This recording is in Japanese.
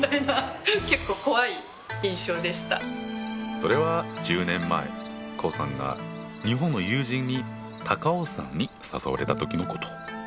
それは１０年前胡さんが日本の友人に高尾山に誘われた時のこと。